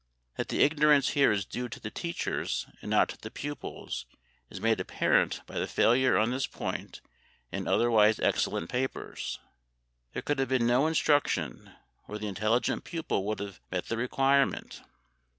That the ignorance here is due to the teachers and not to the pupils is made apparent by the failure on this point in otherwise excellent papers. There could have been no instruction, or the intelligent pupil would have met the requirement.